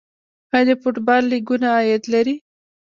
آیا د فوټبال لیګونه عاید لري؟